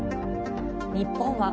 日本は。